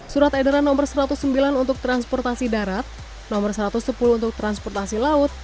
surat edaran nomor satu ratus sembilan untuk transportasi darat nomor satu ratus sepuluh untuk transportasi laut